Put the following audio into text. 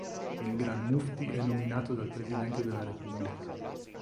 Il Gran Mufti è nominato dal Presidente della Repubblica.